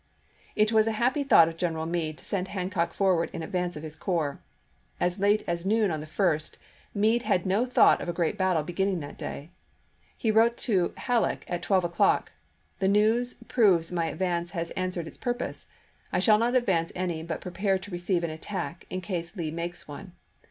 It was a happy thought of General Meade to send Hancock forward in advance of his corps. As late as noon on the 1st, Meade had no thought of a juiy, i863. great battle beginning that day. He wrote to Hal leck at twelve o'clock, " the news proves my advance has answered its purpose. I shall not advance any, but prepare to receive an attack, in case Lee makes one.